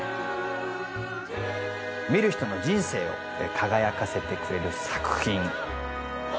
見る人の人生を輝かせてくれる作品